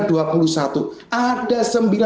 dan ada dua puluh sembilan